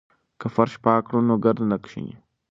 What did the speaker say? که فرش پاک کړو نو ګرد نه کښیني.